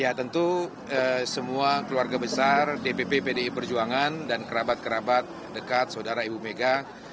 ya tentu semua keluarga besar dpp pdi perjuangan dan kerabat kerabat dekat saudara ibu mega